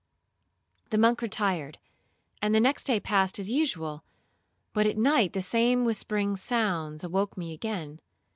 'The monk retired, and the next day passed as usual; but at night the same whispering sounds awoke me again.